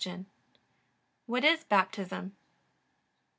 What is Baptism?